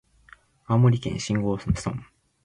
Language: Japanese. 青森県新郷村